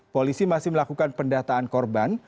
polisi masih melakukan pendataan korban